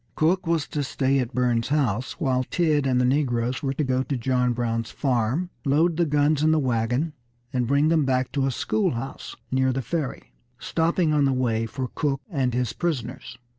Cook was to stay at Burns's house while Tidd and the negroes were to go to John Brown's farm, load the guns in the wagon, and bring them back to a schoolhouse near the Ferry, stopping on the way for Cook and his prisoners.